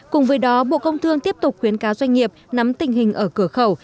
cùng với đó bộ công thương tiếp tục khuyến cáo doanh nghiệp nắm tình hình ở cửa khẩu